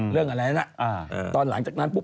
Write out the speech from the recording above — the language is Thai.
เรื่องอะไรนั้นตอนหลังจากนั้นปุ๊